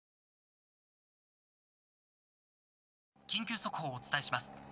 緊急速報をお伝えします。